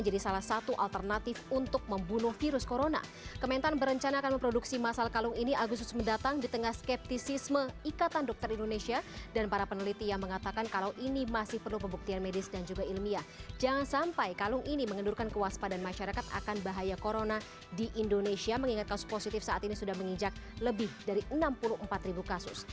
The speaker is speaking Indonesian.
di indonesia mengingat kasus positif saat ini sudah menginjak lebih dari enam puluh empat kasus